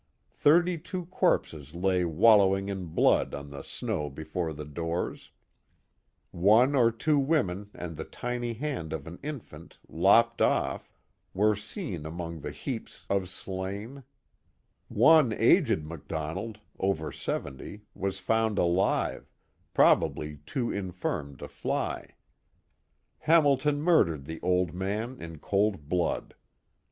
Thirly two corpses lay wallow ing m blood on the snow before the doors; one or two women and the tiny hand of an infant, lopped off, were seen among the heaps Accounts of the Notorious Butler Eamily 239 of slain. One aged MacDonald, over seventy, was found alive, probably too infirm to fly. Hamilton murdered the old man in cold blood.